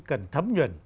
cần thấm nhuận